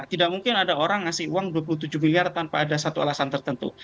tidak mungkin ada orang ngasih uang dua puluh tujuh miliar tanpa ada satu alasan tertentu